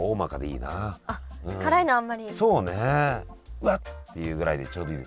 「うわっ！」って言うぐらいでちょうどいい。